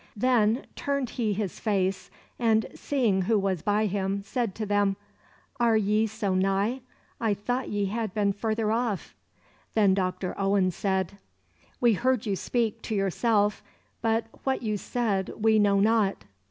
"Then turned he his face, and seeing who was by him, said to them: "'Are ye so nigh? I thought ye had been further off.' "Then Doctor Owen said: "'We heard you speak to yourself, but what you said we know not.